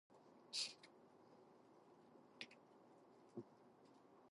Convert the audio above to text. She is currently involved in an interpretative album of the Beatles' classics.